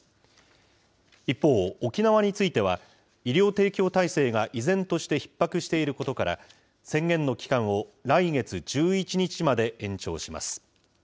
一方、沖縄については、医療提供体制が依然としてひっ迫していることから、宣言の期間を来月１１日まで延長します。